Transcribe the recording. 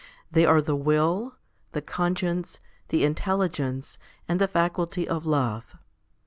They are the will, the conscience, the intelligence, and the faculty of love.